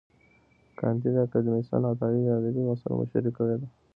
کانديد اکاډميسن عطايي د ادبي بحثونو مشري کړې ده.